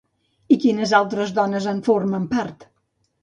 I quines altres dones en formen part?